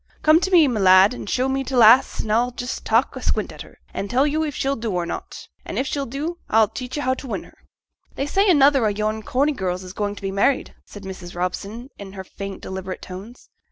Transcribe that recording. Come t' me, my lad, and show me t' lass, an' a'll just tak' a squint at her, an' tell yo' if she'll do or not; an' if she'll do, a'll teach yo' how to win her.' 'They say another o' yon Corney girls is going to be married,' said Mrs. Robson, in her faint deliberate tones.